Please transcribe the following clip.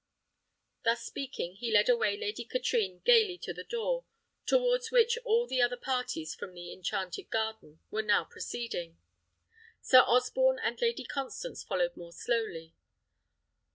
Thus speaking, he led away Lady Katrine gaily to the door, towards which all the other parties from the enchanted garden were now proceeding. Sir Osborne and Lady Constance followed more slowly.